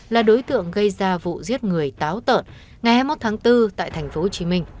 là đối tượng gây ra vụ giết người táo tợn ngày hai mươi một tháng bốn tại tp hcm